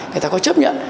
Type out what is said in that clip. người ta có chấp nhận